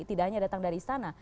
tidak hanya datang dari istana